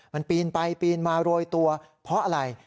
มันปีนไปปีนมาโรยตัวเพราะอะไร